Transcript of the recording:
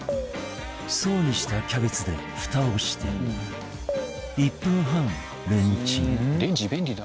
層にしたキャベツでフタをして１分半レンチン